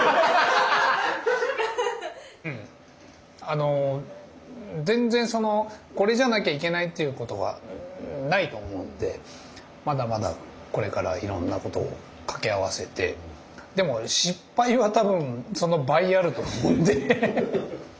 あの全然これじゃなきゃいけないっていうことはないと思うんでまだまだこれからいろんなことをかけ合わせてでも失敗は多分その倍あると思うんで。